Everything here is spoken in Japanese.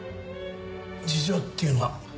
事情っていうのは？